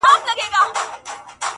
گوره خندا مه كوه مړ به مي كړې,